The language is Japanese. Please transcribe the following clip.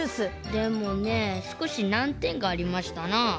でもね少しなんてんがありましたな。